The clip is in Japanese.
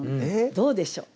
どうでしょう？